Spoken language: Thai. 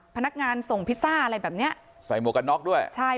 พนักงานส่งพิซซ่าอะไรแบบเนี้ยใส่หมวกกันน็อกด้วยใช่